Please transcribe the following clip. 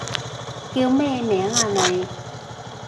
叫咩名啊你？